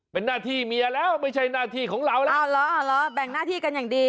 เป็นหน้าที่เมียแล้วไม่ใช่หน้าที่ของเราแล้วแบ่งหน้าที่กันอย่างดี